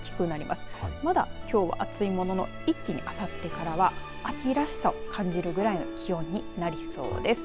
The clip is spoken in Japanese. まだきょうは暑いものの一気にあさってからは秋らしさを感じるくらいの気温になりそうです。